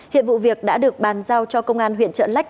hiện vụ việc đã được bàn giao cho công an huyện trợ lách